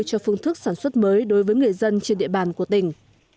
cho phương thức sản xuất mới đối với người dân trên địa bàn của tỉnh